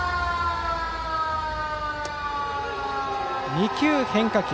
２球、変化球。